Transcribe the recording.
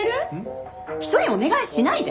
人にお願いしないで！